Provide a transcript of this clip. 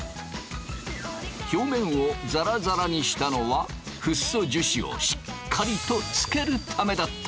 表面をザラザラにしたのはフッ素樹脂をしっかりとつけるためだった！